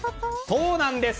そうなんです！